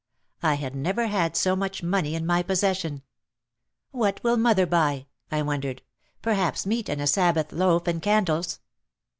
I had never had so much money in my possession. "What will mother buy?" I wondered. "Perhaps meat and a Sabbath loaf and candles."